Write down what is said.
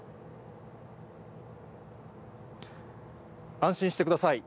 安心してください。